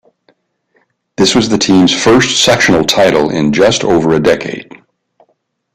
This was the team's first sectional title in just over a decade.